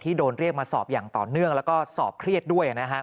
โดนเรียกมาสอบอย่างต่อเนื่องแล้วก็สอบเครียดด้วย